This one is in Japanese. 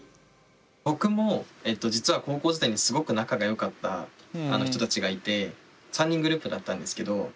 僕も実は高校時代にすごく仲がよかった人たちがいて３人グループだったんですけど。